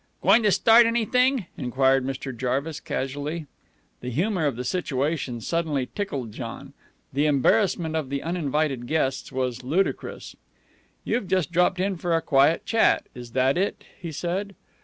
"Goin' to start anything?" enquired Mr. Jarvis, casually. The humor of the situation suddenly tickled John. The embarrassment of the uninvited guests was ludicrous. "You've just dropped in for a quiet chat, is that it?" he said.